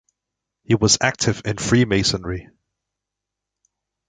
He was active in freemasonry.